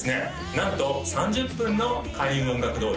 なんと３０分の開運音楽堂をですね